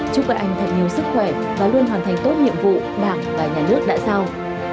chúc các anh thật nhiều sức khỏe và luôn hoàn thành tốt nhiệm vụ đảng và nhà nước đã giao